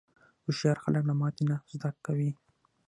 هوښیار خلک له ماتې نه زده کوي.